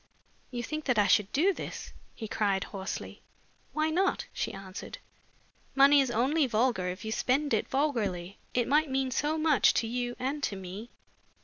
"You think that I should do this?" he cried, hoarsely. "Why not?" she answered. "Money is only vulgar if you spend it vulgarly. It might mean so much to you and to me."